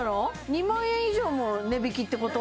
２万円以上も値引きってこと？